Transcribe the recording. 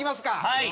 はい！